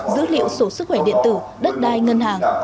dữ liệu số sức khỏe điện tử đất đai ngân hàng